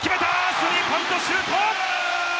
スリーポイントシュート！